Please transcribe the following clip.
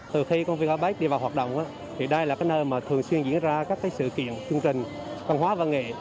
từ khi công viên apec đi vào hoạt động đây là nơi thường xuyên diễn ra các sự kiện chương trình văn hóa và nghệ